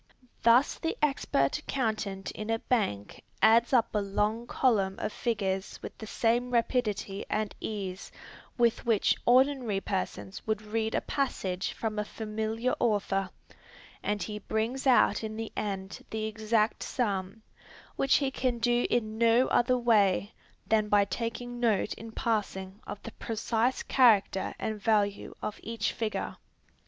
Thus the expert accountant in a Bank adds up a long column of figures with the same rapidity and ease with which ordinary persons would read a passage from a familiar author, and he brings out in the end the exact sum, which he can do in no other way than by taking note in passing of the precise character and value of each figure.